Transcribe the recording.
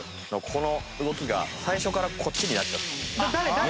この動きが最初からこっちになっちゃってた。